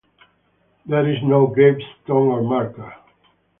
There is no gravestone or marker.